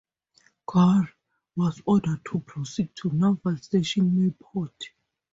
"Carr" was ordered to proceed to Naval Station Mayport.